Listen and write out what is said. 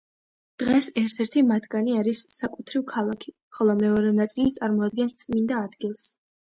დღეს ერთ-ერთი მათგანი არის საკუთრივ ქალაქი, ხოლო მეორე ნაწილი წარმოადგენს წმინდა ადგილს.